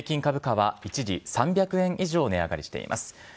平均株価は一時３００円以上値上がりしています。